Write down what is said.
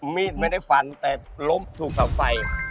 มีดไม่ได้ฟันแต่ล้มถูกเสาไฟ